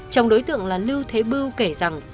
chồng đối tượng là lưu thế bưu kể rằng